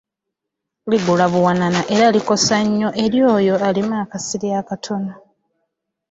Ligula buwanana era kikosa nnyo eri oyo alima akasiri akatono.